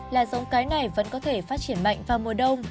là giống cái này vẫn có thể phát triển mạnh vào mùa đông